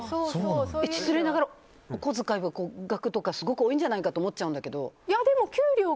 失礼ながら、お小遣いの額はすごく多いんじゃないかと思っちゃうんだけど。